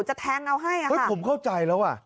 จะแทงเอาให้ค่ะผมเข้าใจแล้ว